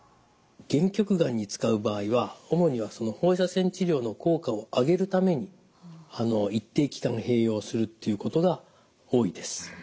限局がんに使う場合は主には放射線治療の効果を上げるために一定期間併用するということが多いです。